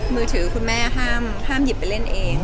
มือถือคุณแม่ห้ามหยิบไปเล่นเอง